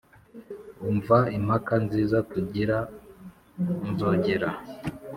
umva impaka nziza tugira nzogera